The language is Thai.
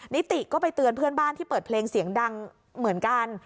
นิติก็ไปเตือนเพื่อนบ้านที่เปิดเพลงเสียงดังเหมือนกัน